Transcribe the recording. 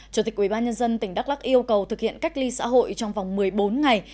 chủ tịch ubnd tỉnh đắk lắc yêu cầu thực hiện cách ly xã hội trong vòng một mươi bốn ngày